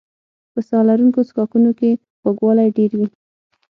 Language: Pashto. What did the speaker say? په ساه لرونکو څښاکونو کې خوږوالی ډېر وي.